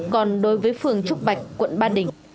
còn đối với phường trúc bạch quận ba đình